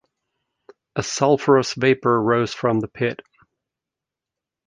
A sulphurous vapour rose from the pit.